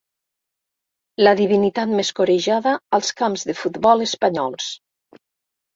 La divinitat més corejada als camps de futbol espanyols.